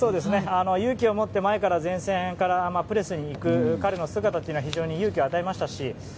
勇気を持って前線からプレスに行く彼の姿は非常に勇気を与えましたし。